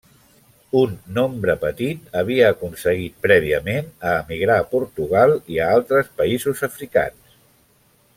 Un nombre petit havia aconseguit prèviament a emigrar a Portugal a altres països africans.